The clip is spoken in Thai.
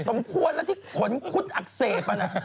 สมควรแล้วที่ขนคุดอักเสบ